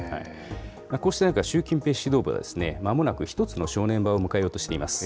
こうした中、習近平指導部は、まもなく一つの正念場を迎えようとしています。